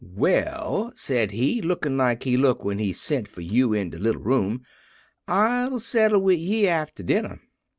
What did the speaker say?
"'Well,' said he, lookin' like he look when he send for you in de little room, 'I'll settle wid ye after dinner.'